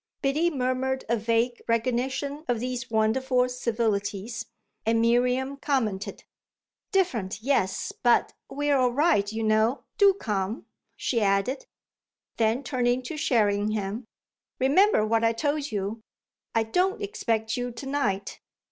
Biddy murmured a vague recognition of these wonderful civilities, and Miriam commented: "Different, yes; but we're all right, you know. Do come," she added. Then turning to Sherringham: "Remember what I told you I don't expect you to night."